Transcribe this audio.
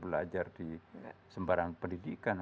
belajar di sembarangan pendidikan